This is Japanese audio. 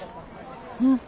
うん。